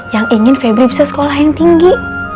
yang ingin febri bisa sekolah yang tinggi